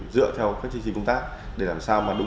dựa theo các chương trình công tác để làm sao mà đúng